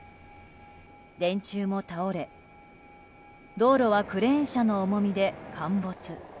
電柱も倒れ道路はクレーン車の重みで陥没。